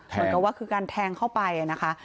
เหมือนกับว่าคือการแทงเข้าไปนะคะ